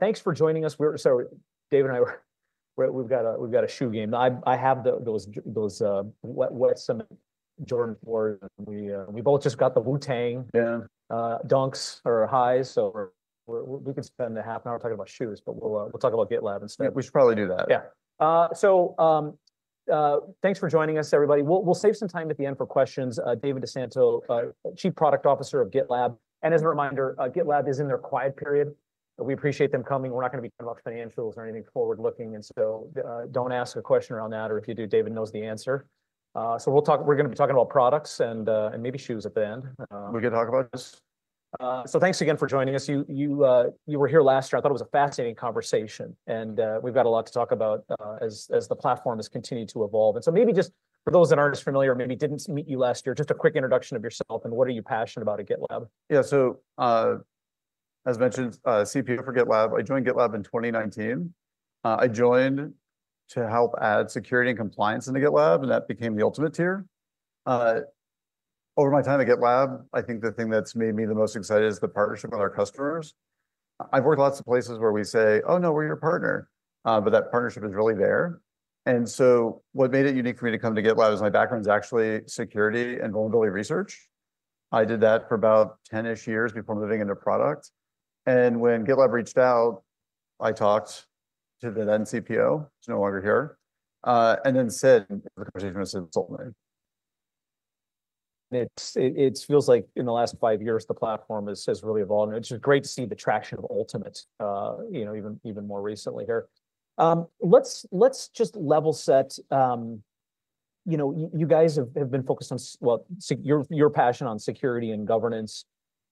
Thanks for joining us. David and I, we've got a shoe game. I have those, some Jordan 4s. We both just got the Wu-Tang Dunks or highs, so we could spend a half an hour talking about shoes, but we'll talk about GitLab instead. We should probably do that. Yeah. So thanks for joining us, everybody. We'll save some time at the end for questions. David DeSanto, Chief Product Officer of GitLab. And as a reminder, GitLab is in their quiet period. We appreciate them coming. We're not going to be talking about financials or anything forward-looking. And so don't ask a question around that. Or if you do, David knows the answer. So we'll talk. We're going to be talking about products and maybe shoes at the end. We can talk about this. So thanks again for joining us. You were here last year. I thought it was a fascinating conversation. And we've got a lot to talk about as the platform has continued to evolve. And so maybe just for those that aren't as familiar or maybe didn't meet you last year, just a quick introduction of yourself and what are you passionate about at GitLab? Yeah. So as mentioned, CPO for GitLab. I joined GitLab in 2019. I joined to help add security and compliance into GitLab, and that became the Ultimate tier. Over my time at GitLab, I think the thing that's made me the most excited is the partnership with our customers. I've worked lots of places where we say, "Oh, no, we're your partner," but that partnership is really there. And so what made it unique for me to come to GitLab is my background is actually security and vulnerability research. I did that for about 10-ish years before moving into product. And when GitLab reached out, I talked to the then CPO, who's no longer here, and then Sid, the conversation with Sid Sijbrandij. It feels like in the last five years, the platform has really evolved, and it's just great to see the traction of Ultimate, even more recently here. Let's just level set. You guys have been focused on, well, your passion on security and governance.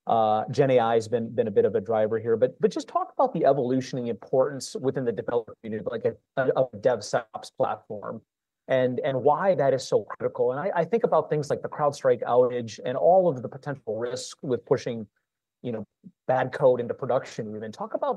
GenAI has been a bit of a driver here, but just talk about the evolution and the importance within the developer community of a DevSecOps platform and why that is so critical, and I think about things like the CrowdStrike outage and all of the potential risks with pushing bad code into production even. Talk about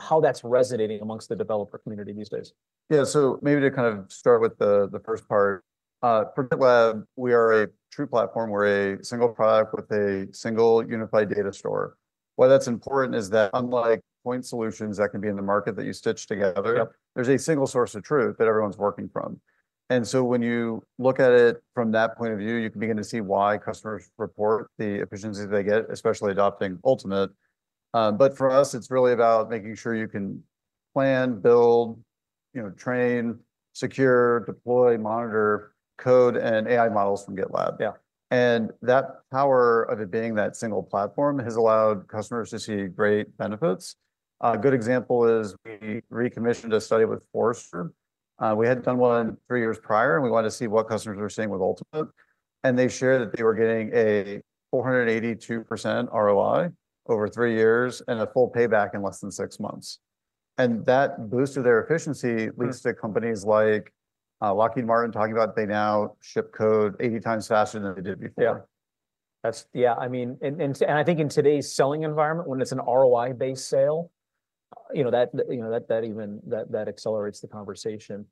how that's resonating among the developer community these days. Yeah. So maybe to kind of start with the first part, for GitLab, we are a true platform. We're a single product with a single unified data store. Why that's important is that unlike point solutions that can be in the market that you stitch together, there's a single source of truth that everyone's working from. And so when you look at it from that point of view, you can begin to see why customers report the efficiencies they get, especially adopting Ultimate. But for us, it's really about making sure you can plan, build, train, secure, deploy, monitor code, and AI models from GitLab. And that power of it being that single platform has allowed customers to see great benefits. A good example is we recommissioned a study with Forrester. We had done one three years prior, and we wanted to see what customers were seeing with Ultimate. They shared that they were getting a 482% ROI over three years and a full payback in less than six months. That boost of their efficiency leads to companies like Lockheed Martin talking about they now ship code 80 times faster than they did before. Yeah. Yeah. I mean, and I think in today's selling environment, when it's an ROI-based sale, that even accelerates the conversation.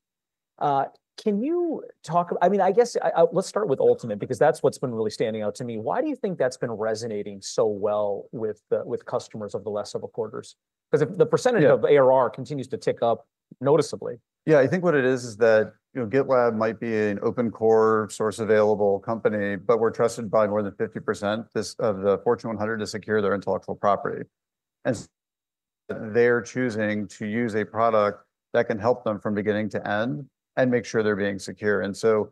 Can you talk—I mean, I guess let's start with Ultimate because that's what's been really standing out to me. Why do you think that's been resonating so well with customers over the last several quarters? Because the percentage of ARR continues to tick up noticeably. Yeah. I think what it is is that GitLab might be an open-core source-available company, but we're trusted by more than 50% of the Fortune 100 to secure their intellectual property. And so they're choosing to use a product that can help them from beginning to end and make sure they're being secure. And so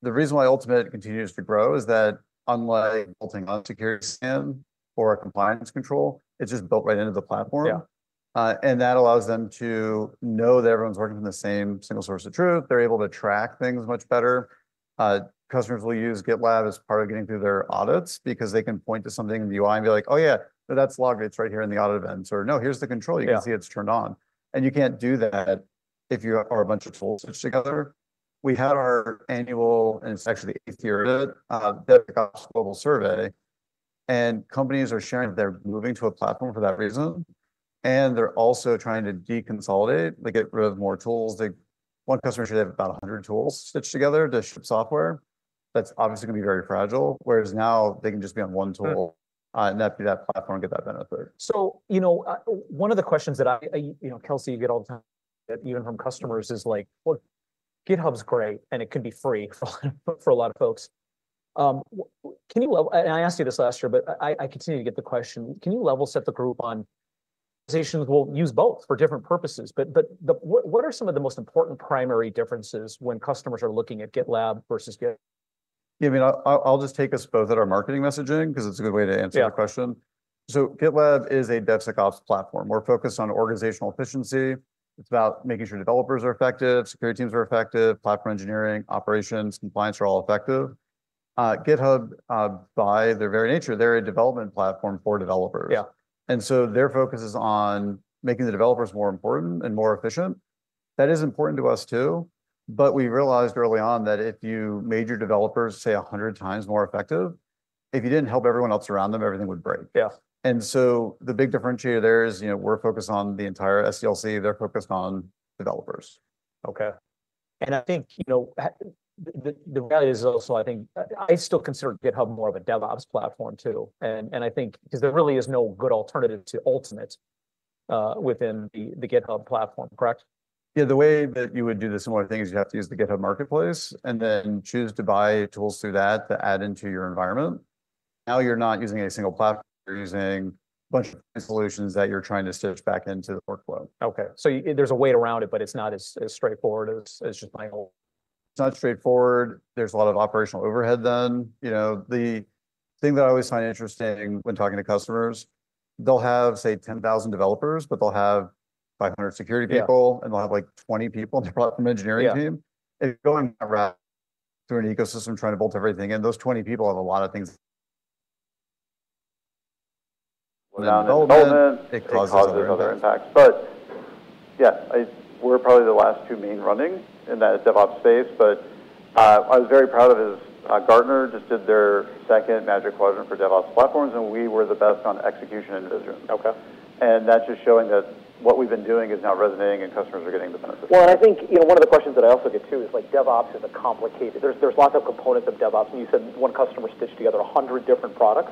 the reason why Ultimate continues to grow is that unlike a security scan or a compliance control, it's just built right into the platform. And that allows them to know that everyone's working from the same single source of truth. They're able to track things much better. Customers will use GitLab as part of getting through their audits because they can point to something in the UI and be like, "Oh, yeah, that's logged. It's right here in the audit event." Or, "No, here's the control. You can see it's turned on," and you can't do that if you are a bunch of tools stitched together. We had our annual, and it's actually the eighth year of it, DevSecOps Global Survey. Companies are sharing that they're moving to a platform for that reason. They're also trying to de-consolidate, get rid of more tools. One customer had about 100 tools stitched together to ship software. That's obviously going to be very fragile, whereas now they can just be on one tool and that platform gets that benefit. So one of the questions that I, Kelsey, you get all the time, even from customers, is like, "Well, GitHub's great, and it can be free for a lot of folks." And I asked you this last year, but I continue to get the question, "Can you level set the group on?" Organizations will use both for different purposes. But what are some of the most important primary differences when customers are looking at GitLab versus GitHub? Yeah. I mean, I'll just take us to both our marketing messaging because it's a good way to answer the question. So GitLab is a DevSecOps platform. We're focused on organizational efficiency. It's about making sure developers are effective, security teams are effective, platform engineering, operations, compliance are all effective. GitHub, by their very nature, they're a development platform for developers. And so their focus is on making the developers more important and more efficient. That is important to us too. But we realized early on that if you made your developers, say, 100 times more effective, if you didn't help everyone else around them, everything would break. And so the big differentiator there is we're focused on the entire SDLC. They're focused on developers. Okay. And I think the reality is also, I think I still consider GitHub more of a DevOps platform too. And I think because there really is no good alternative to Ultimate within the GitHub platform, correct? Yeah. The way that you would do the similar thing is you'd have to use the GitHub Marketplace and then choose to buy tools through that to add into your environment. Now you're not using a single platform. You're using a bunch of different solutions that you're trying to stitch back into the workflow. Okay, so there's a way around it, but it's not as straightforward as just my old. It's not straightforward. There's a lot of operational overhead then. The thing that I always find interesting when talking to customers, they'll have, say, 10,000 developers, but they'll have 500 security people, and they'll have like 20 people in the platform engineering team, and going that route through an ecosystem trying to bolt everything in, those 20 people have a lot of things that it causes another impact. But yeah, we're probably the last two main running in that DevOps space. But I was very proud of it as Gartner just did their second Magic Quadrant for DevOps platforms, and we were the best on execution and vision, and that's just showing that what we've been doing is now resonating, and customers are getting the benefit. Well, and I think one of the questions that I also get too is DevOps is a complicated, there's lots of components of DevOps. And you said one customer stitched together 100 different products.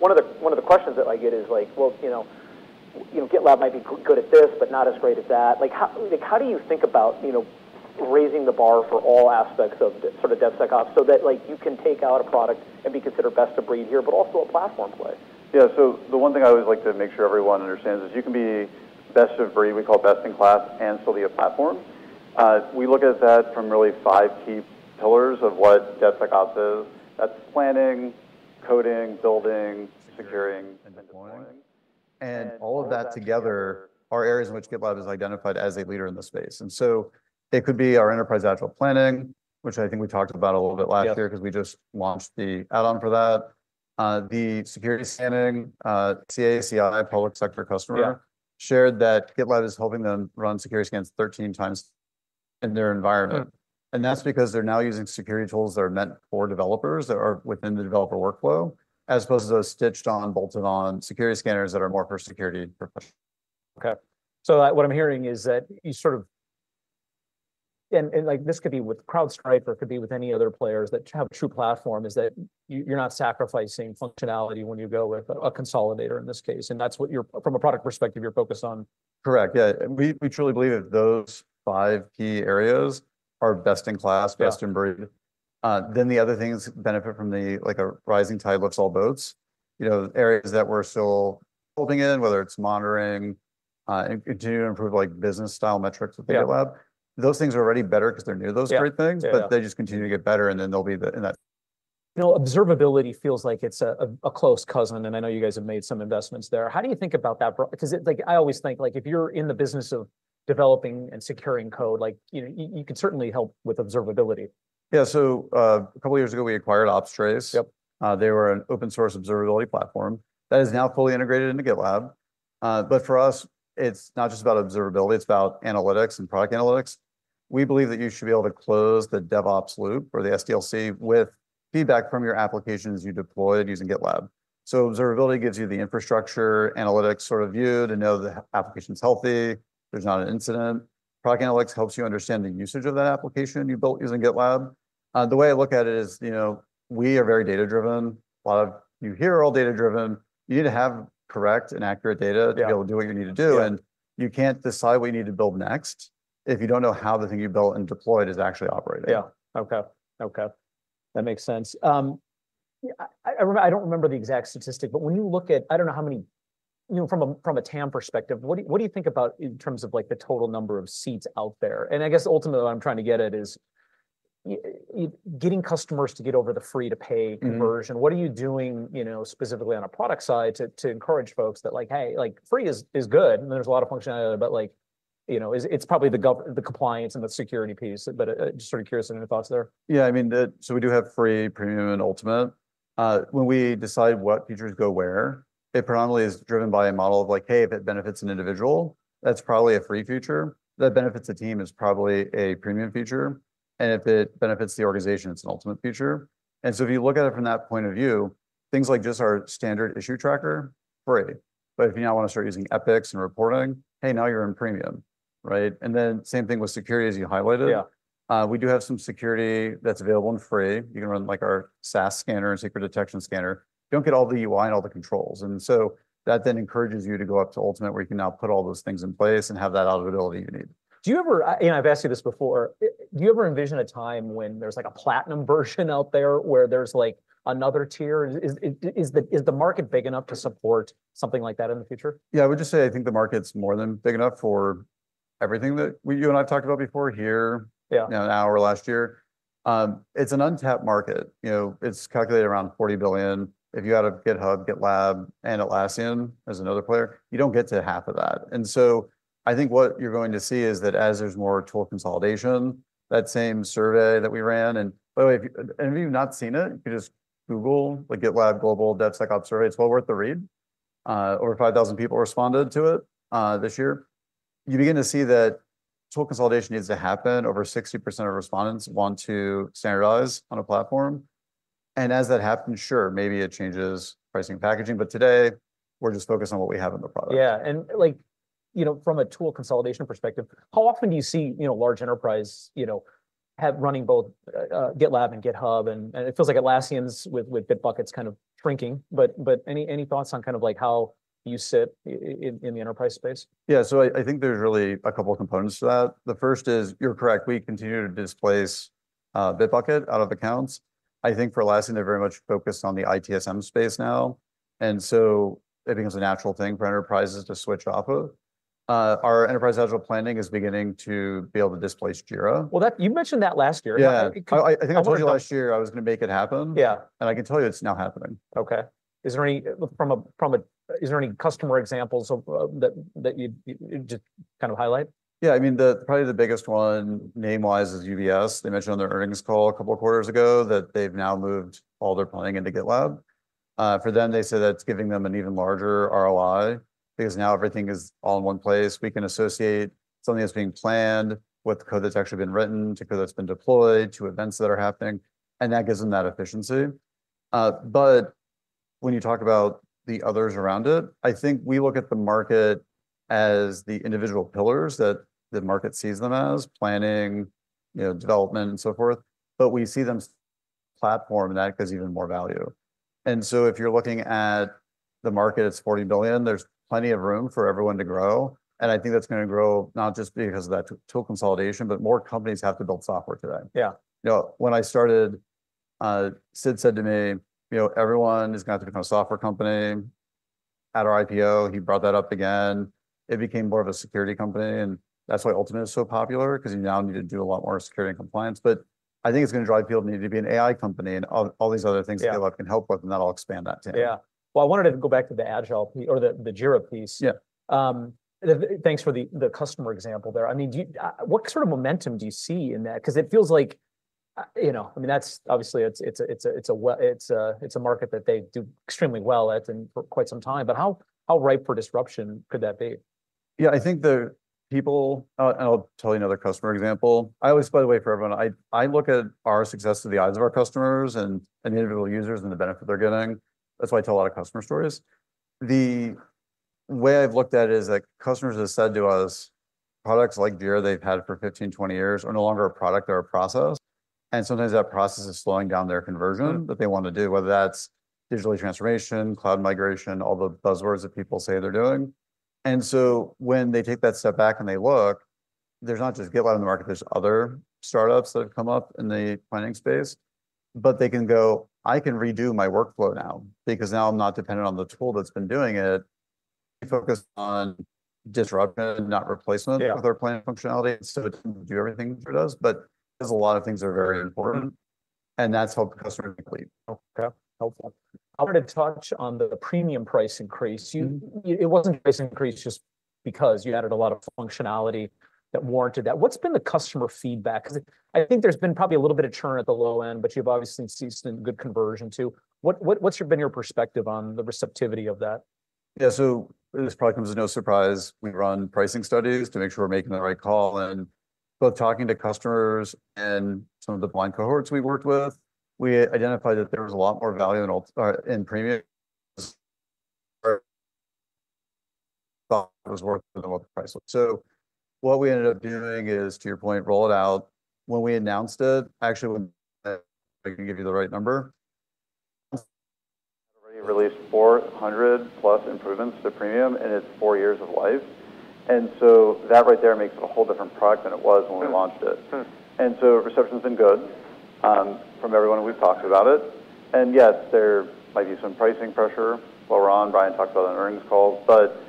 One of the questions that I get is like, "Well, GitLab might be good at this, but not as great as that." How do you think about raising the bar for all aspects of sort of DevSecOps so that you can take out a product and be considered best of breed here, but also a platform play? Yeah. So the one thing I always like to make sure everyone understands is you can be best of breed (we call best in class) and still be a platform. We look at that from really five key pillars of what DevSecOps is. That's planning, coding, building, securing, and deploying. And all of that together are areas in which GitLab is identified as a leader in the space. And so it could be our enterprise agile planning, which I think we talked about a little bit last year because we just launched the add-on for that. The security scanning, CACI, public sector customer, shared that GitLab is helping them run security scans 13 times in their environment. And that's because they're now using security tools that are meant for developers that are within the developer workflow, as opposed to those stitched-on, bolted-on security scanners that are more for security professionals. Okay. So what I'm hearing is that you sort of—and this could be with CrowdStrike or it could be with any other players that have a true platform—is that you're not sacrificing functionality when you go with a consolidator in this case. And that's what you're, from a product perspective, you're focused on. Correct. Yeah. We truly believe that those five key areas are best in class, best in breed. Then the other things benefit from the rising tide lifts all boats. Areas that we're still holding in, whether it's monitoring and continuing to improve business-style metrics with GitLab, those things are already better because they're new, those great things, but they just continue to get better, and then they'll be the. Observability feels like it's a close cousin, and I know you guys have made some investments there. How do you think about that? Because I always think if you're in the business of developing and securing code, you can certainly help with observability. Yeah, so a couple of years ago, we acquired Opstrace. They were an open-source observability platform that is now fully integrated into GitLab. But for us, it's not just about observability. It's about analytics and product analytics. We believe that you should be able to close the DevOps loop or the SDLC with feedback from your applications you deployed using GitLab, so observability gives you the infrastructure analytics sort of view to know the application's healthy. There's not an incident. Product analytics helps you understand the usage of that application you built using GitLab. The way I look at it is we are very data-driven. A lot of you here are all data-driven. You need to have correct and accurate data to be able to do what you need to do. You can't decide what you need to build next if you don't know how the thing you built and deployed is actually operating. Yeah. Okay. Okay. That makes sense. I don't remember the exact statistic, but when you look at, I don't know how many, from a TAM perspective, what do you think about in terms of the total number of seats out there? And I guess ultimately what I'm trying to get at is getting customers to get over the free-to-pay conversion. What are you doing specifically on a product side to encourage folks that, like, "Hey, free is good, and there's a lot of functionality, but it's probably the compliance and the security piece." But just sort of curious in your thoughts there. Yeah. I mean, so we do have Free, Premium, and Ultimate. When we decide what features go where, it predominantly is driven by a model of like, "Hey, if it benefits an individual, that's probably a free feature. That benefits a team is probably a premium feature. And if it benefits the organization, it's an ultimate feature." And so if you look at it from that point of view, things like just our standard issue tracker, free. But if you now want to start using epics and reporting, hey, now you're in premium, right? And then same thing with security as you highlighted. We do have some security that's available in free. You can run our scanner and secret detection scanner. Don't get all the UI and all the controls. And so that then encourages you to go up to Ultimate where you can now put all those things in place and have that auditability you need. Do you ever, and I've asked you this before, do you ever envision a time when there's a platinum version out there where there's another tier? Is the market big enough to support something like that in the future? Yeah. I would just say I think the market's more than big enough for everything that you and I've talked about before here, now or last year. It's an untapped market. It's calculated around $40 billion. If you out of GitHub, GitLab, and Atlassian as another player, you don't get to half of that. And so I think what you're going to see is that as there's more tool consolidation, that same survey that we ran, and if you've not seen it, you can just Google GitLab Global DevSecOps Survey. It's well worth the read. Over 5,000 people responded to it this year. You begin to see that tool consolidation needs to happen. Over 60% of respondents want to standardize on a platform. And as that happens, sure, maybe it changes pricing packaging. But today, we're just focused on what we have in the product. Yeah. And from a tool consolidation perspective, how often do you see large enterprise running both GitLab and GitHub? And it feels like Atlassian's with Bitbucket's kind of shrinking. But any thoughts on kind of how you sit in the enterprise space? Yeah, so I think there's really a couple of components to that. The first is you're correct. We continue to displace Bitbucket out of accounts. I think for Atlassian, they're very much focused on the ITSM space now, and so it becomes a natural thing for enterprises to switch off of. Our enterprise agile planning is beginning to be able to displace Jira. You mentioned that last year. Yeah. I think I told you last year I was going to make it happen, and I can tell you it's now happening. Okay. Is there any customer examples that you'd just kind of highlight? Yeah. I mean, probably the biggest one name-wise is UBS. They mentioned on their earnings call a couple of quarters ago that they've now moved all their planning into GitLab. For them, they say that's giving them an even larger ROI because now everything is all in one place. We can associate something that's being planned with code that's actually been written to code that's been deployed to events that are happening. And that gives them that efficiency. But when you talk about the others around it, I think we look at the market as the individual pillars that the market sees them as: planning, development, and so forth. But we see them platform, and that gives even more value. And so if you're looking at the market, it's $40 billion. There's plenty of room for everyone to grow. And I think that's going to grow not just because of that tool consolidation, but more companies have to build software today. When I started, Sid said to me, "Everyone is going to have to become a software company." At our IPO, he brought that up again. It became more of a security company. And that's why Ultimate is so popular because you now need to do a lot more security and compliance. But I think it's going to drive people to need to be an AI company and all these other things that GitLab can help with, and that'll expand that too. Yeah. Well, I wanted to go back to the agile or the Jira piece. Thanks for the customer example there. I mean, what sort of momentum do you see in that? Because it feels like, I mean, that's obviously a market that they do extremely well at and for quite some time. But how ripe for disruption could that be? Yeah. I think the people, and I'll tell you another customer example. I always put a weight for everyone. I look at our success through the eyes of our customers and individual users and the benefit they're getting. That's why I tell a lot of customer stories. The way I've looked at it is that customers have said to us, "Products like Jira they've had for 15, 20 years are no longer a product. They're a process," and sometimes that process is slowing down their conversion that they want to do, whether that's digital transformation, cloud migration, all the buzzwords that people say they're doing, and so when they take that step back and they look, there's not just GitLab in the market. There's other startups that have come up in the planning space. But they can go, "I can redo my workflow now because now I'm not dependent on the tool that's been doing it." Focus on disruption, not replacement with our planned functionality. So it doesn't do everything Jira does, but there's a lot of things that are very important. And that's helped customers complete. Okay. Helpful. I wanted to touch on the premium price increase. It wasn't price increase just because you added a lot of functionality that warranted that. What's been the customer feedback? Because I think there's been probably a little bit of churn at the low end, but you've obviously seen some good conversion too. What's been your perspective on the receptivity of that? Yeah, so this probably comes as no surprise. We run pricing studies to make sure we're making the right call, and both talking to customers and some of the blind cohorts we worked with, we identified that there was a lot more value in premium than what the price was, so what we ended up doing is, to your point, roll it out. When we announced it, actually, I can give you the right number. We had already released 400+ improvements to premium, and it's four years of life, and so that right there makes it a whole different product than it was when we launched it, and so reception's been good from everyone who we've talked about it, and yes, there might be some pricing pressure later on. Brian talked about it in earnings calls, but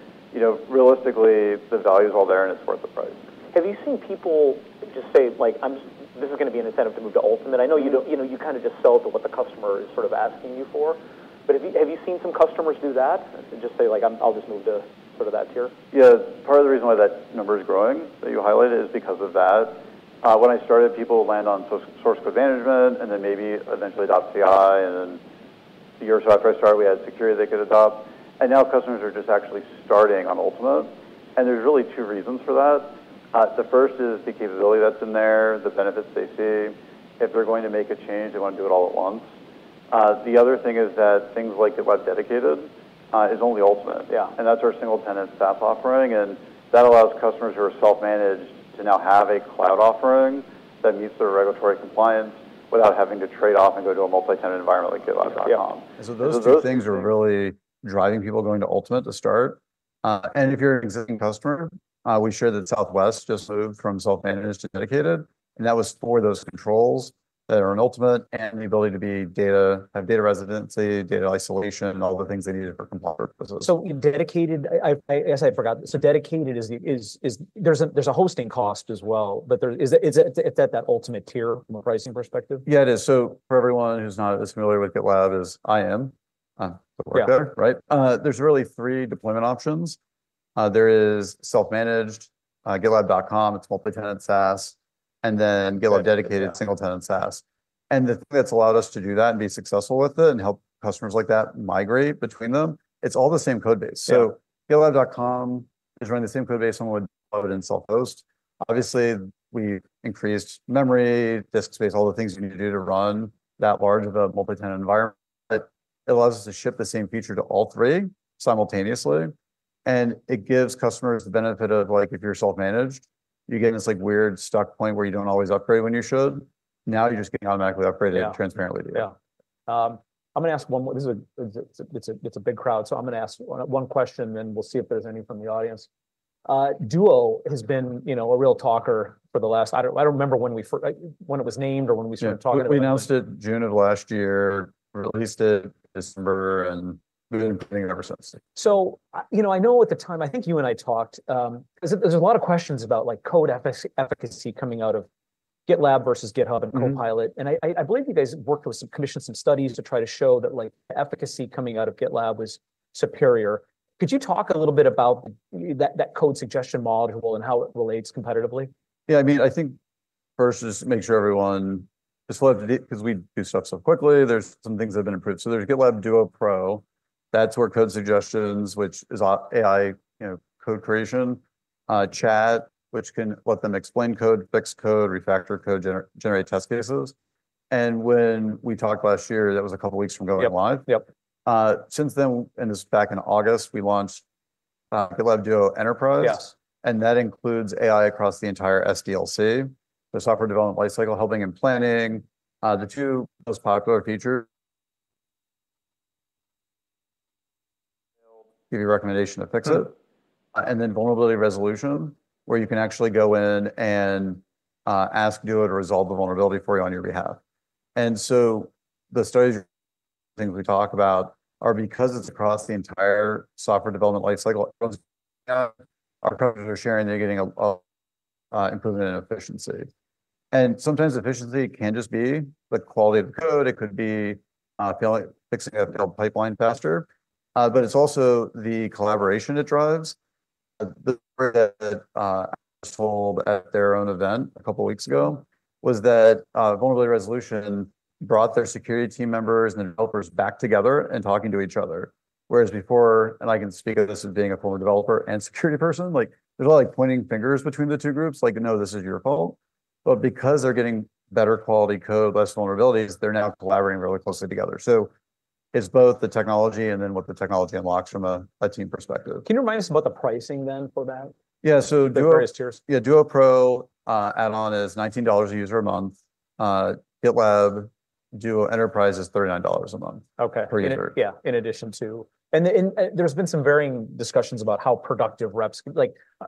realistically, the value's all there, and it's worth the price. Have you seen people just say, "This is going to be an incentive to move to Ultimate"? I know you kind of just sell to what the customer is sort of asking you for. But have you seen some customers do that and just say, "I'll just move to sort of that tier"? Yeah. Part of the reason why that number is growing that you highlighted is because of that. When I started, people land on source code management and then maybe eventually adopt CI, and then a year or so after I started, we had security they could adopt, and now customers are just actually starting on Ultimate, and there's really two reasons for that. The first is the capability that's in there, the benefits they see. If they're going to make a change, they want to do it all at once. The other thing is that things like GitLab Dedicated is only Ultimate, and that's our single-tenant SaaS offering, and that allows customers who are self-managed to now have a cloud offering that meets their regulatory compliance without having to trade off and go to a multi-tenant environment like GitLab.com. Yeah. And so those two things are really driving people going to Ultimate to start. If you're an existing customer, we shared that Southwest just moved from self-managed to Dedicated. That was for those controls that are in Ultimate and the ability to have data residency, data isolation, all the things they needed for compliance purposes. So, I guess I forgot. So, Dedicated, there's a hosting cost as well. But is that the Ultimate tier from a pricing perspective? Yeah, it is. So for everyone who's not as familiar with GitLab, I am. Okay. There's really three deployment options. There is self-managed GitLab.com. It's multi-tenant SaaS. And then GitLab Dedicated, single-tenant SaaS. And the thing that's allowed us to do that and be successful with it and help customers like that migrate between them, it's all the same code base. So GitLab.com is running the same code base someone would upload in self-host. Obviously, we've increased memory, disk space, all the things you need to do to run that large of a multi-tenant environment. But it allows us to ship the same feature to all three simultaneously. And it gives customers the benefit of if you're self-managed, you get in this weird stuck point where you don't always upgrade when you should. Now you're just getting automatically upgraded transparently too. Yeah. I'm going to ask one more, this is a big crowd, so I'm going to ask one question, and then we'll see if there's any from the audience. Duo has been a real talker for the last, I don't remember when it was named or when we started talking about it. We announced it June of last year, released it December, and we've been putting it out ever since. So, I know at the time, I think you and I talked, there's a lot of questions about code efficacy coming out of GitLab versus GitHub and Copilot. And I believe you guys worked with some commissions, some studies to try to show that efficacy coming out of GitLab was superior. Could you talk a little bit about that code suggestion model and how it relates competitively? Yeah. I mean, I think first is make sure everyone, because we do stuff so quickly, there's some things that have been improved. So there's GitLab Duo Pro. That's where code suggestions, which is AI code creation, chat, which can let them explain code, fix code, refactor code, generate test cases. And when we talked last year, that was a couple of weeks from going live. Since then, and this is back in August, we launched GitLab Duo Enterprise. And that includes AI across the entire SDLC, the software development lifecycle, helping in planning. The two most popular features give you a recommendation to fix it. And then Vulnerability Resolution, where you can actually go in and ask Duo to resolve the vulnerability for you on your behalf. And so the studies and things we talk about are because it's across the entire software development lifecycle. Our customers are sharing they're getting an improvement in efficiency. And sometimes efficiency can just be the quality of the code. It could be fixing a failed pipeline faster. But it's also the collaboration it drives. The story that I was told at their own event a couple of weeks ago was that Vulnerability resolution brought their security team members and developers back together and talking to each other. Whereas before, and I can speak of this as being a former developer and security person, there's a lot of pointing fingers between the two groups like, "No, this is your fault." But because they're getting better quality code, less vulnerabilities, they're now collaborating really closely together. So it's both the technology and then what the technology unlocks from a team perspective. Can you remind us about the pricing then for that? Yeah. So Duo. Various tiers. Yeah. Duo Pro add-on is $19 a user a month. GitLab Duo Enterprise is $39 a month per user. Okay. Yeah. In addition to, and there's been some varying discussions about how productive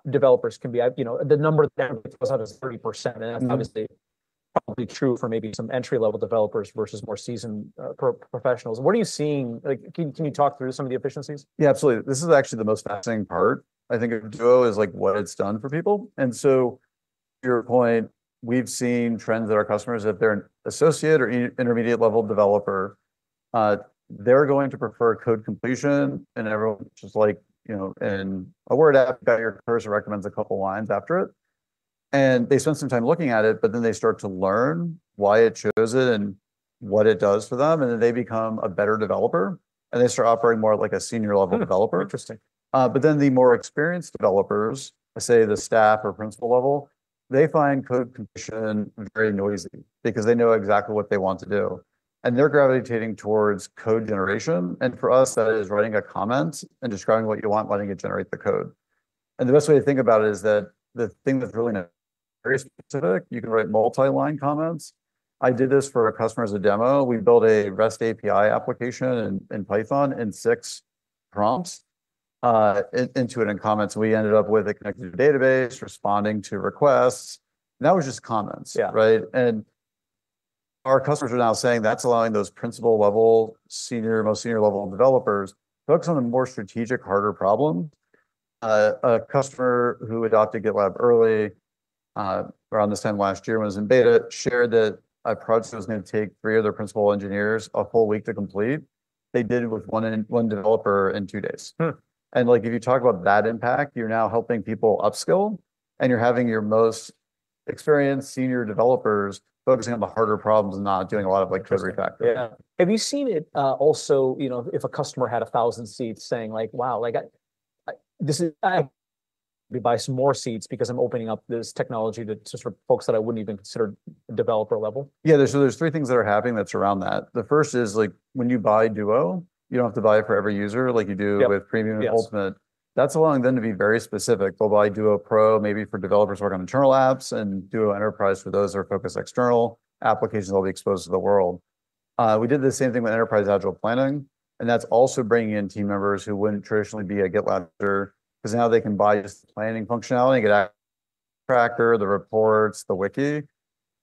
developers can be. The number that we've talked about is 30%. And that's obviously probably true for maybe some entry-level developers versus more seasoned professionals. What are you seeing? Can you talk through some of the efficiencies? Yeah, absolutely. This is actually the most fascinating part. I think of Duo as what it's done for people. And so to your point, we've seen trends that our customers, if they're an associate or intermediate-level developer, they're going to prefer code completion. And everyone just like in a Word app, your cursor recommends a couple of lines after it. And they spend some time looking at it, but then they start to learn why it chose it and what it does for them. And then they become a better developer. And they start operating more like a senior-level developer. Interesting. But then the more experienced developers, say the staff or principal level, they find code completion very noisy because they know exactly what they want to do. And they're gravitating towards code generation. And for us, that is writing a comment and describing what you want, letting it generate the code. And the best way to think about it is that the thing that's really very specific, you can write multi-line comments. I did this for a customer as a demo. We built a REST API application in Python and six prompts into it in comments. And we ended up with a connected database responding to requests. And that was just comments, right? And our customers are now saying that's allowing those principal-level, most senior-level developers to focus on a more strategic, harder problem. A customer who adopted GitLab early around this time last year when it was in beta shared that a project was going to take three of their principal engineers a full week to complete. They did it with one developer in two days, and if you talk about that impact, you're now helping people upskill, and you're having your most experienced senior developers focusing on the harder problems and not doing a lot of code refactoring. Yeah. Have you seen it also if a customer had 1,000 seats saying, "Wow, this is, I'm going to buy some more seats because I'm opening up this technology to folks that I wouldn't even consider developer level"? Yeah. So there's three things that are happening that's around that. The first is when you buy Duo, you don't have to buy it for every user like you do with Premium and Ultimate. That's allowing them to be very specific. They'll buy Duo Pro maybe for developers who work on internal apps. And Duo Enterprise for those that are focused external applications that'll be exposed to the world. We did the same thing with Enterprise Agile Planning. And that's also bringing in team members who wouldn't traditionally be a GitLab user because now they can buy just the planning functionality, issue tracker, the reports, the wiki.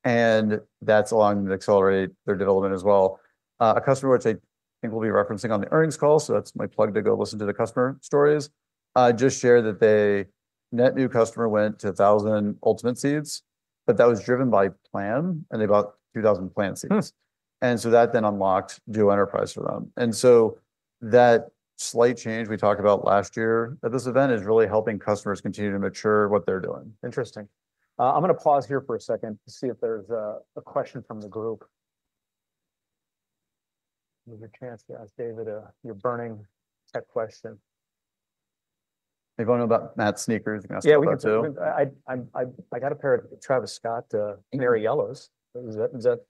And that's allowing them to accelerate their development as well. A customer which I think we'll be referencing on the earnings call, so that's my plug to go listen to the customer stories, just shared that their net new customer went to 1,000 Ultimate seats, but that was driven by plan, and they bought 2,000 plan seats, and so that then unlocked Duo Enterprise for them, and so that slight change we talked about last year at this event is really helping customers continue to mature what they're doing. Interesting. I'm going to pause here for a second to see if there's a question from the group. Give me a chance to ask David your burning tech question. If you want to know about Matt's sneakers, you can ask him that too. Yeah. We can do it. I got a pair of Travis Scott Air Yellows. Does that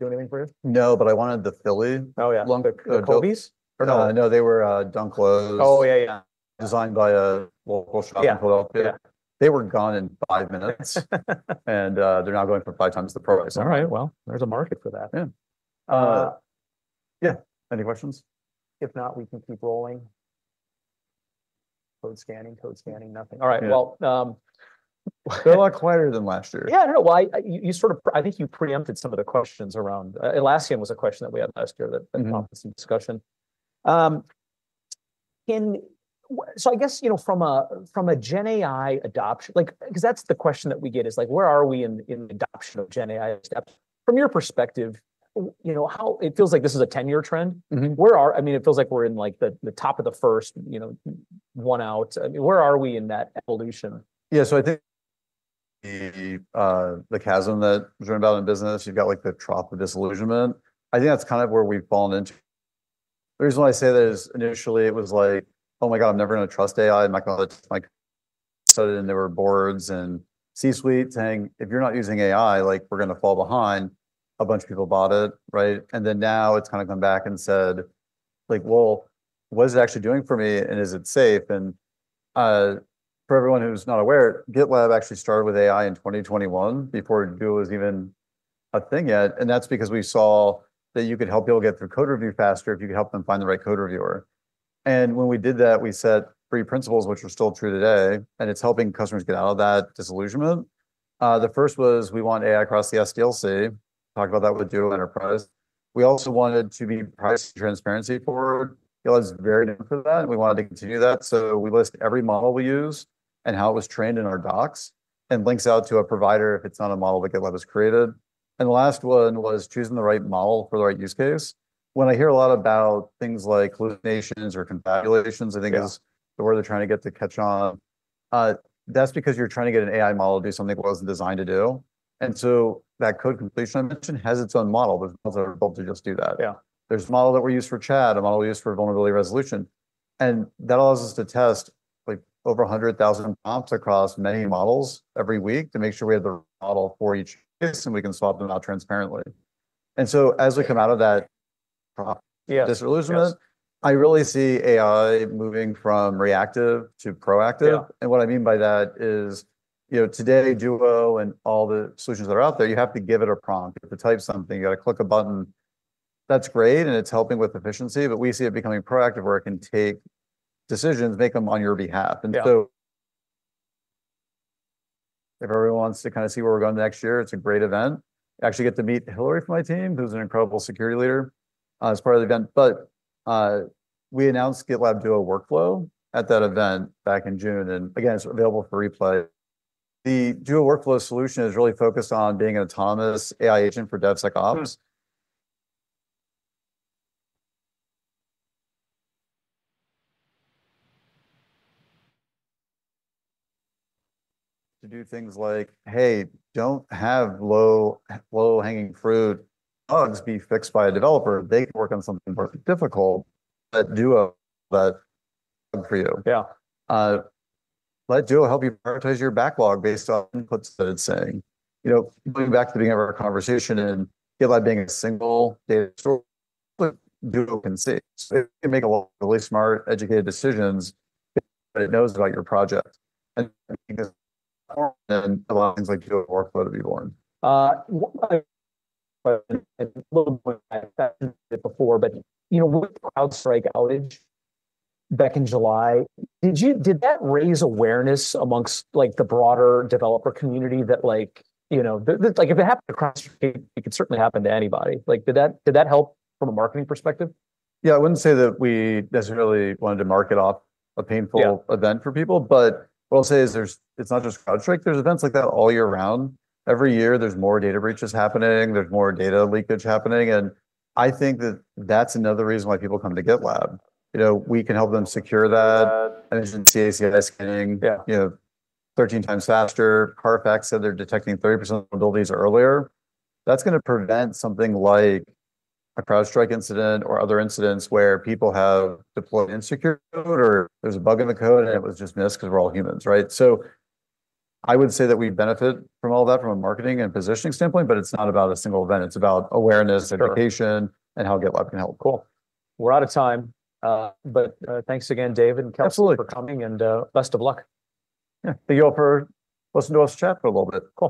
do anything for you? No, but I wanted the Philly low. Oh, yeah. The Kobes? No, no. They were Dunk Lows. Oh, yeah, yeah. Designed by a local shop in Philadelphia. They were gone in five minutes. And they're now going for five times the price. All right. Well, there's a market for that. Yeah. Yeah. Any questions? If not, we can keep rolling. Code scanning, code scanning, nothing. All right. Well. They're a lot quieter than last year. Yeah. I don't know. Well, I think you preempted some of the questions around Atlassian. It was a question that we had last year that prompted some discussion. So I guess from a GenAI adoption, because that's the question that we get, is like, where are we in the adoption of GenAI? From your perspective, it feels like this is a 10-year trend. I mean, it feels like we're in the top of the first inning. I mean, where are we in that evolution? Yeah. I think the chasm that was written about in business—you've got the trough of disillusionment. I think that's kind of where we've fallen into. The reason why I say that is initially it was like, "Oh my God, I'm never going to trust AI." My customers said it, and there were boards and C-suites saying, "If you're not using AI, we're going to fall behind." A bunch of people bought it, right? Then now it's kind of come back and said, "Well, what is it actually doing for me? And is it safe?" For everyone who's not aware, GitLab actually started with AI in 2021 before Duo was even a thing yet. That's because we saw that you could help people get through code review faster if you could help them find the right code reviewer. And when we did that, we set three principles, which are still true today. And it's helping customers get out of that disillusionment. The first was we want AI across the SDLC. Talked about that with Duo Enterprise. We also wanted to be price transparency forward. It was very known for that. And we wanted to continue that. So we list every model we use and how it was trained in our docs and links out to a provider if it's not a model that GitLab has created. And the last one was choosing the right model for the right use case. When I hear a lot about things like hallucinations or confabulations, I think is the word they're trying to get to catch on. That's because you're trying to get an AI model to do something it wasn't designed to do. And so that code completion I mentioned has its own model. There's models that are built to just do that. There's a model that we use for chat, a model we use for vulnerability resolution. And that allows us to test over 100,000 prompts across many models every week to make sure we have the right model for each case and we can swap them out transparently. And so as we come out of that disillusionment, I really see AI moving from reactive to proactive. And what I mean by that is today, Duo and all the solutions that are out there, you have to give it a prompt. You have to type something. You got to click a button. That's great. And it's helping with efficiency. But we see it becoming proactive where it can take decisions, make them on your behalf. And so if everyone wants to kind of see where we're going next year, it's a great event. Actually get to meet Hillary from my team, who's an incredible security leader as part of the event. But we announced GitLab Duo Workflow at that event back in June. And again, it's available for replay. The Duo Workflow solution is really focused on being an autonomous AI agent for DevSecOps to do things like, "Hey, don't have low-hanging fruit bugs be fixed by a developer. They can work on something more difficult. Let Duo do that for you. Let Duo help you prioritize your backlog based on inputs that it's saying." Going back to the beginning of our conversation and GitLab being a single data store, Duo can see. It can make a lot of really smart, educated decisions because it knows about your project. That means it can perform and allow things like Duo Workflow to be born. A little bit more than I mentioned before, but with CrowdStrike outage back in July, did that raise awareness among the broader developer community that if it happened across the street, it could certainly happen to anybody? Did that help from a marketing perspective? Yeah. I wouldn't say that we necessarily wanted to mark it off as a painful event for people. But what I'll say is it's not just CrowdStrike. There's events like that all year round. Every year, there's more data breaches happening. There's more data leakage happening. And I think that that's another reason why people come to GitLab. We can help them secure that. And it's in CACI scanning 13 times faster. CARFAX said they're detecting 30% vulnerabilities earlier. That's going to prevent something like a CrowdStrike incident or other incidents where people have deployed insecure code or there's a bug in the code and it was just missed because we're all humans, right? So I would say that we benefit from all that from a marketing and positioning standpoint, but it's not about a single event. It's about awareness, education, and how GitLab can help. Cool. We're out of time. But thanks again, David and Kelsey, for coming. And best of luck. Yeah. Thank you chat for a little bit.